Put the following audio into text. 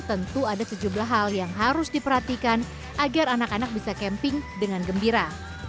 tentu ada sejumlah hal yang harus diperhatikan agar anak anak bisa camping dengan gembira